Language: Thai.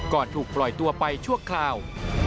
ถูกปล่อยตัวไปชั่วคราว